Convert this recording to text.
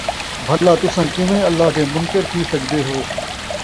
بَھلا تُساں کیویں اللہ دے مُنکر تھی سڳدے ہو،